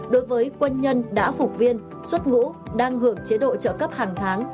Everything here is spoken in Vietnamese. đối với quân nhân đã phục viên xuất ngũ đang hưởng chế độ trợ cấp hàng tháng